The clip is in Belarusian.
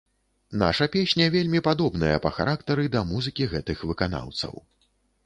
Наша песня вельмі падобная па характары да музыкі гэтых выканаўцаў.